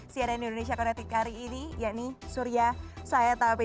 siada indonesia kodek tikari ini yakni surya sayatapi